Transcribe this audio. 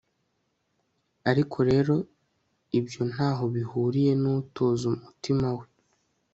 ariko rero ibyo nta ho bihuriye n'utoza umutima we